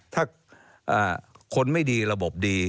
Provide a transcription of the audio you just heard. ถ้าคนไม่ดีระบบดี